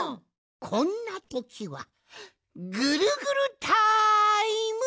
こんなときはぐるぐるタイム！